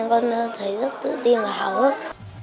con thấy rất tự tin và hào hức